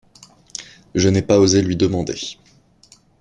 Je n’ai pas osé lui demander.